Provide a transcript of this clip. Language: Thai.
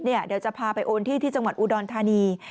เดี๋ยวจะพาไปโอนที่ที่จังหวัดอุดรธานี